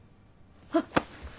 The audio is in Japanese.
あっ。